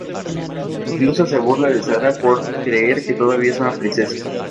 Incluso se burla de Sara por creer que todavía es una princesa.